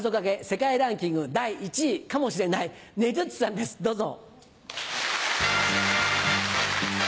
世界ランキング第１位かもしれないねづっちさんですどうぞ！